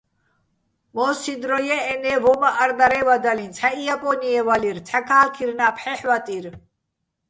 მო́სსიჼ დრო ჲე́ჸენე́, ვო́მაჸ არ-დარე́ვადალიჼ: ცჰ̦ა იაპონიე ვალირ, ცჰ̦ა ქალქირნა ფჰ̦ეჰ̦ ვატირ.